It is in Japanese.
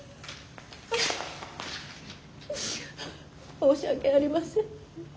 申し訳ありません。